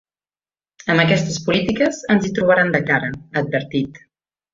“Amb aquestes polítiques ens hi trobaran de cara”, ha advertit.